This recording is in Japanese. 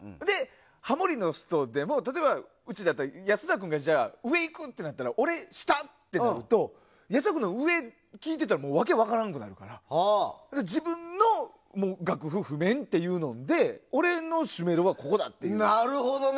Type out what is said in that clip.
ハモリの人でも例えばうちだったら安田君が上いくってなったら俺、下ってなると安田君の上を聴いてると訳分からなくなるから自分の譜面というので俺の主メロはここだっていう。